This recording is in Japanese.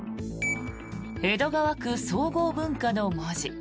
江戸川区総合文化の文字。